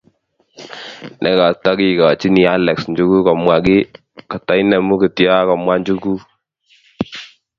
Negategochini Alex njuguk komwa kiy, katainemu kityo agomwa"njukuk"